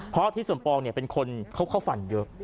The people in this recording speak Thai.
เพราะที่สมปองเป็นคนเขาฝันเยอะ